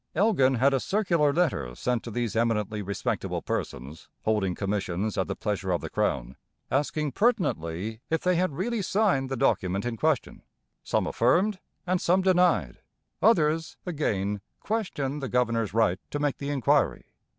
Elgin had a circular letter sent to these eminently respectable persons holding commissions at the pleasure of the Crown, asking pertinently if they had really signed the document in question. Some affirmed, and some denied; others, again, questioned the governor's right to make the inquiry.